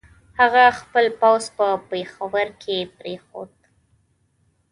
هغه خپل پوځ په پېښور کې پرېښود.